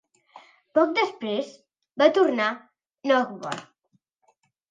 Poc després, va tornar a Novgorod.